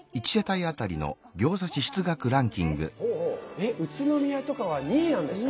え宇都宮とかは２位なんですか？